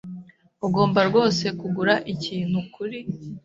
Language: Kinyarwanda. Ugomba rwose kugura ikintu kuri